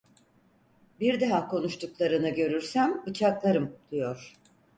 Bir daha konuştuklarını görürsem bıçaklarım, diyor!